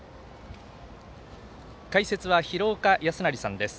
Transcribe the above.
解説は廣岡資生さんです。